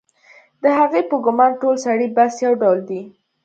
د هغې په ګومان ټول سړي بس یو ډول دي